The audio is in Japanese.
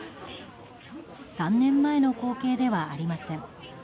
３年前の光景ではありません。